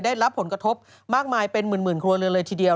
ได้รับผลกระทบมากมายเป็นหมื่นครัวเรือนเลยทีเดียว